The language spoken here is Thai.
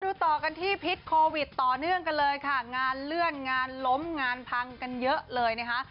ต่อกันที่พิษโควิดต่อเนื่องกันเลยค่ะงานเลื่อนงานล้มงานพังกันเยอะเลยนะคะ